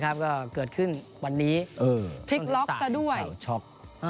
การเลือกตั้งนายก